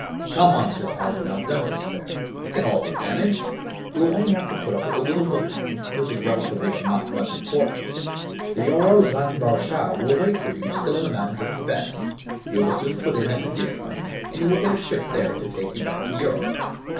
"Come, Monsieur Paganel, don't despair. It can all be managed; you will only have to put up with a little delay, which is relatively of not much importance. The Yarou Dzangbo Tchou will wait for you still in the mountains of Thibet. We shall soon put in at Madeira, and you will get a ship there to take you back to Europe."